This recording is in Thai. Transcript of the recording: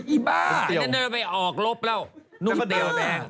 อีบ้านั่นจะไปออกรบแล้วนุ่งเตี๋ยวแดง